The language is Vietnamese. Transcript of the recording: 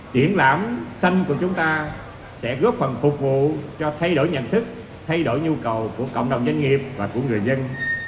triển lãm xanh của chúng ta sẽ góp phần phục vụ cho thay đổi nhận thức thay đổi nhu cầu của cộng đồng doanh nghiệp và của người dân